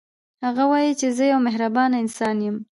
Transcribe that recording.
هغه وايي چې زه یو مهربانه انسان یم